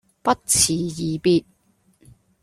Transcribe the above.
不辭而別